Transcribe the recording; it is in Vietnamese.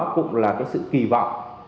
cũng là sự kỳ vọng